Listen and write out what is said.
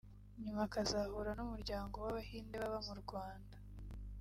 nyuma akazahura n’Umuryango w’Abahinde baba mu Rwanda